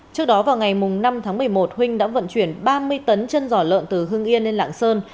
trước đó vào ngày năm tháng một mươi một huynh đã vận chuyển ba mươi tấn chân giỏ lợn từ hưng yên lên lạng sơn